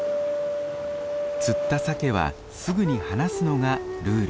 釣ったサケはすぐに放すのがルール。